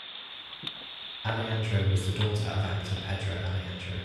Aleandro was the daughter of actor Pedro Aleandro.